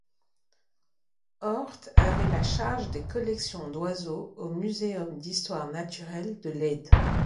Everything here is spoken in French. Oort avait la charge des collections d’oiseaux au Museum d’Histoire Naturelle de Leyde.